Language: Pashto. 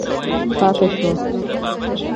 پاتې شو.